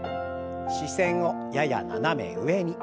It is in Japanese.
視線をやや斜め上に。